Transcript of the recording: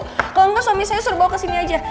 kalau enggak suami saya suruh bawa kesini aja